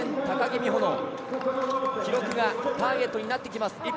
高木美帆の記録がターゲットになってきます。